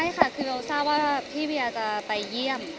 เชื่อว่าพี่เวียจะไปเยี่ยม